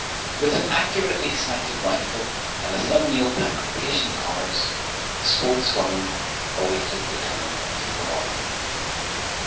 With an accurately sighted rifle and a thumbnail pack of patience cards the sportswoman awaited the coming of the quarry.